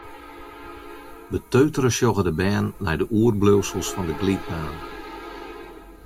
Beteutere sjogge de bern nei de oerbliuwsels fan de glydbaan.